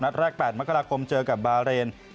แรก๘มกราคมเจอกับบาเรน